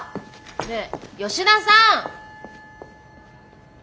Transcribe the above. ねえ吉田さん！